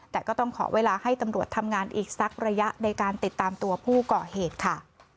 แต่ก็ต้องขอเวลาให้ตำรวจทำงานอีกสักระยะในการติดตามตัวผู้ก่อเหตุค่ะ